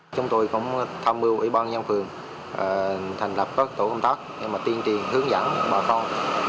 chúng tôi cũng tham mưu ủy ban nhân phường thành lập các tổ công tác để tuyên truyền hướng dẫn bà con